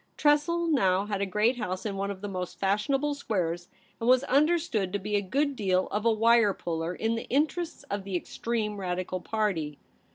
Tressel now had a great house in one of the most fashionable squares, and was understood to be a good deal of a wire puller in the interests of the extreme Radical Party.